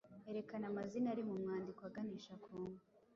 Erekana amazina ari mu mwandiko aganisha ku nka